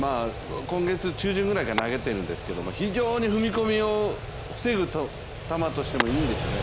今月中旬くらいから投げているんですけど、非常に踏み込みを防ぐ球としてもいいんですよね。